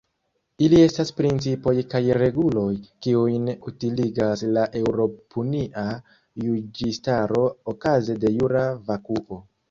Ili estas principoj kaj reguloj, kiujn utiligas la eŭropunia juĝistaro okaze de "jura vakuo".